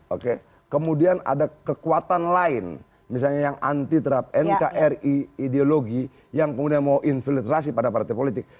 oke kemudian ada kekuatan lain misalnya yang anti terhadap nkri ideologi yang kemudian mau infiltrasi pada partai politik